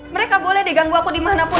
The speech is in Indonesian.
mereka boleh diganggu aku dimanapun